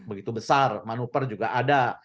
begitu besar manuver juga ada